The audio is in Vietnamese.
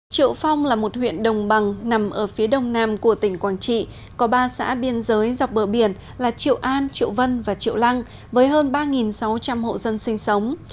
triệu phong là một huyện đồng bằng nằm ở phía đông nam của tỉnh quảng trị có ba xã biên giới dọc bờ biển là triệu an triệu vân và triệu lăng với hơn ba sáu trăm linh hộ dân sinh sống